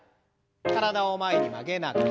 体を前に曲げながら。